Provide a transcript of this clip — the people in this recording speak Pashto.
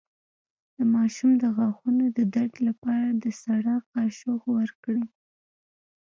د ماشوم د غاښونو د درد لپاره سړه قاشق ورکړئ